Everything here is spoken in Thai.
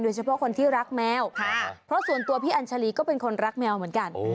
เฉพาะคนที่รักแมวเพราะส่วนตัวพี่อัญชาลีก็เป็นคนรักแมวเหมือนกัน